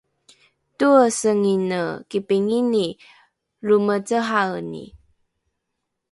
toesengine kipingini lromecehaeni